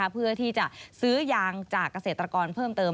เพื่อที่จะซื้อยางจากเกษตรกรเพิ่มเติม